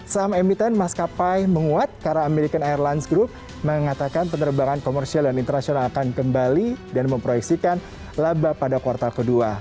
saham emiten maskapai menguat karena american airlines group mengatakan penerbangan komersial dan internasional akan kembali dan memproyeksikan laba pada kuartal kedua